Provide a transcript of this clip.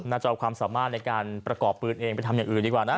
น่าจะเอาความสามารถในการประกอบปืนเองไปทำอย่างอื่นดีกว่านะ